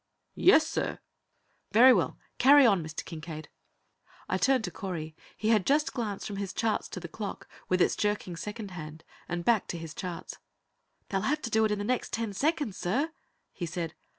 "Yes, sir." "Very well; carry on, Mr. Kincaide." I turned to Correy; he had just glanced from his charts to the clock, with its jerking second hand, and back to his charts. "They'll have to do it in the next ten seconds, sir," he said.